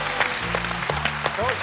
よし。